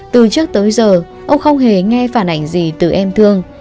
từ trước tới giờ ông không hề nghe phản ảnh gì từ em thương